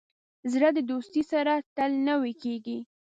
زړه د دوستۍ سره تل نوی کېږي.